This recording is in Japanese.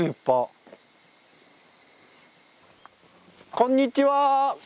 こんにちは！